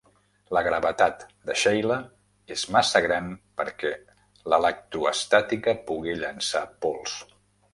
La gravetat de Scheila és massa gran perquè l'electrostàtica pugui llançar pols.